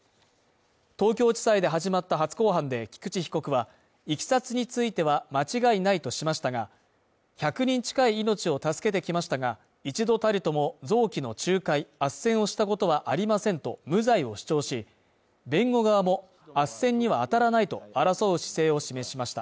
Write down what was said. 東京地裁で始まった初公判で菊地被告は、いきさつについては間違いないとしましたが、１００人近い命を助けてきましたが、一度たりとも臓器の仲介、あっせんをしたことはありませんと無罪を主張し、弁護側もあっせんには当たらないと争う姿勢を示しました。